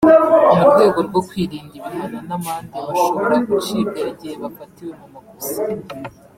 mu rwego rwo kwirinda ibihano n’amande bashobora gucibwa igihe bafatiwe mu makosa